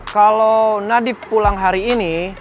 kalau nadif pulang hari ini